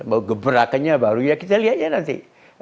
mau geberakannya baru ya kita lihat aja nanti